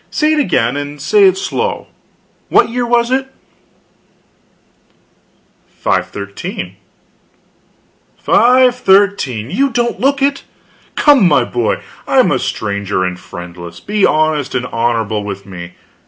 Say it again and say it slow. What year was it?" "513." "513! You don't look it! Come, my boy, I am a stranger and friendless; be honest and honorable with me.